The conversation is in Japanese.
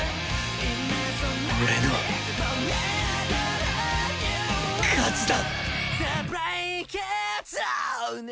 俺の勝ちだ！